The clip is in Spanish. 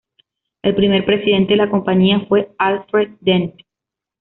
El primer presidente de la compañía fue Alfred Dent.